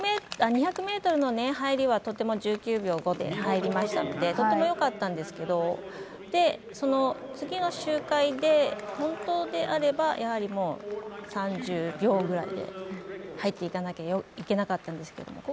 ２００ｍの入りは１９秒５で入りましたのでとてもよかったんですけどその次の周回で本当であれば３０秒ぐらいで入っていかなきゃいけなかったんですけど。